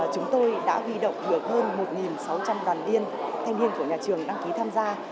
chúng tôi đã huy động được hơn một sáu trăm linh đoàn viên thanh niên của nhà trường đăng ký tham gia